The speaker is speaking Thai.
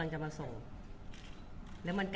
คุณผู้ถามเป็นความขอบคุณค่ะ